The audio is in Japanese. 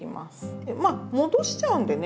まあ戻しちゃうんでね